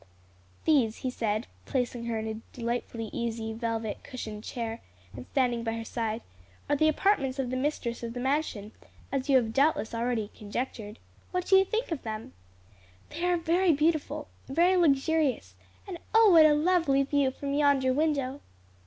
"These," he said, placing her in a delightfully easy, velvet cushioned chair, and standing by her side, "are the apartments of the mistress of the mansion, as you have doubtless already conjectured. What do you think of them?" "That they are very beautiful, very luxurious. And oh what a lovely view from yonder window!"